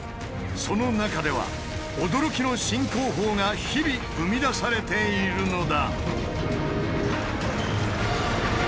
その中では驚きの新工法が日々生み出されているのだ。